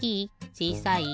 ちいさい？